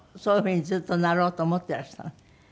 そういう風にずっとなろうと思ってらしたの？